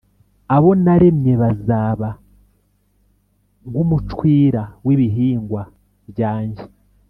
abo naremye bazaba nk’umucwira w’ibihingwa byanjye,